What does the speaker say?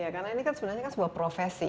karena ini kan sebenarnya sebuah profesi